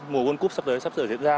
mùa world cup sắp tới sắp sửa diễn ra